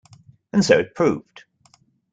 And so it proved.